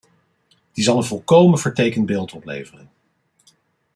Die zal een volkomen vertekend beeld opleveren.